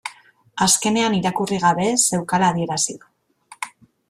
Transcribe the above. Azkenean irakurri gabe zeukala adierazi du